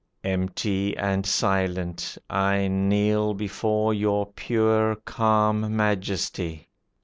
"Empty and silent, I Kneel before your pure, calm majesty.